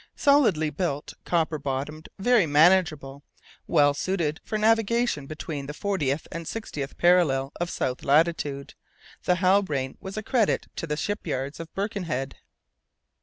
Solidly built, copper bottomed, very manageable, well suited for navigation between the fortieth and sixtieth parallels of south latitude, the Halbrane was a credit to the ship yards of Birkenhead.